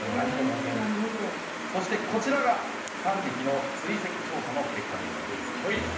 そしてこちらが３匹の追跡調査の結果でございます。